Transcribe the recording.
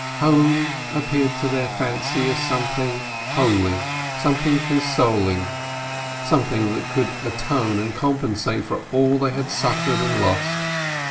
Home appeared to their fancy as something holy, something consoling, something that could atone and compensate for all they had suffered and lost.